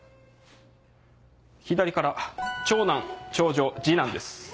左から長男長女次男です。